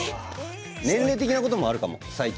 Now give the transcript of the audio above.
年齢的なこともあるかも最近。